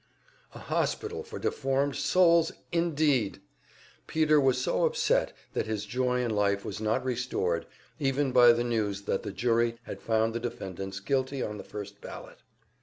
"A hospital for deformed souls," indeed! Peter was so upset that his joy in life was not restored even by the news that the jury had found the defendants guilty on the first ballot.